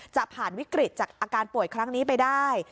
จะผ่านวิกฤตจากอาการป่วยครั้งนี้ไปได้